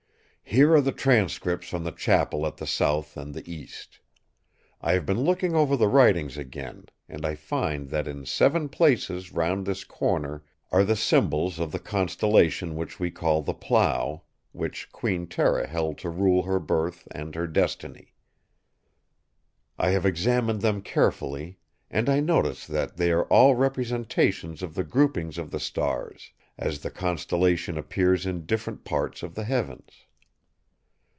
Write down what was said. "'Here are the transcripts from the Chapel at the south and the east. I have been looking over the writings again; and I find that in seven places round this corner are the symbols of the constellation which we call the Plough, which Queen Tera held to rule her birth and her destiny. I have examined them carefully, and I notice that they are all representations of the grouping of the stars, as the constellation appears in different parts of the heavens.